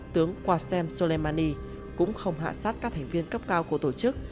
tướng wasem soleimani cũng không hạ sát các thành viên cấp cao của tổ chức